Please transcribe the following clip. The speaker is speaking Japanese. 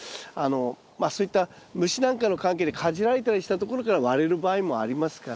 まあそういった虫なんかの関係でかじられたりしたところから割れる場合もありますから。